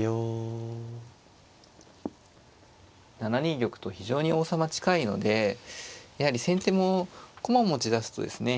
７二玉と非常に王様近いのでやはり先手も駒を持ちだすとですね